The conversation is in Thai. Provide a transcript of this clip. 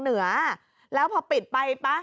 เหนือแล้วพอปิดไปป่ะ